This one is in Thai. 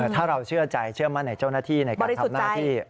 ถ้าเราเชื่อใจเชื่อมั่นในเจ้าหน้าที่ในการทำหน้าที่